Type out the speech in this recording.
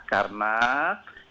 karena kita sekali lagi